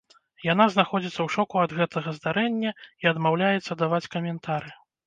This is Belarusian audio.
Яна знаходзіцца ў шоку ад гэтага здарэння і адмаўляецца даваць каментары.